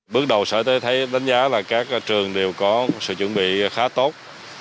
bước đầu sở y tế thấy đánh giá là các trường đều có sự chuẩn bị khá tốt